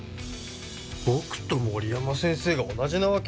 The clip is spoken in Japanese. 僕と森山先生が同じなわけない！